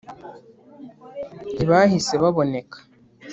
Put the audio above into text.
Ntibahise baboneka.